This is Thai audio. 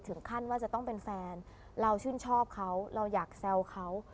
ถึงขั้นว่าจะต้องเป็นแฟนเราชื่นชอบเขาเราอยากแซวเขา